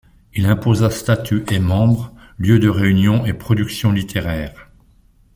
Il imposa statuts et membres, lieux de réunions et productions littéraires.